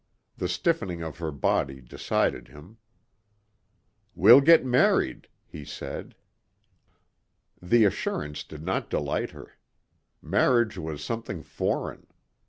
The stiffening of her body decided him. "We'll get married," he said. The assurance did not delight her. Marriage was something foreign.